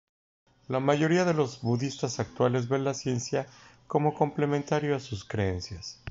La mayoría de los budistas actuales ven la ciencia como complementario a sus creencias.